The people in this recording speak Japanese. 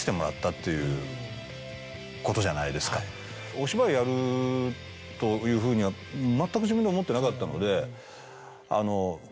お芝居やるというふうには全く自分で思ってなかったので。